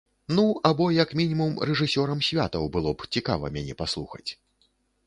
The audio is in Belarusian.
Ну, або як мінімум рэжысёрам святаў было б цікава мяне паслухаць!